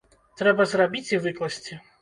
Трэба зрабіць і выкласці!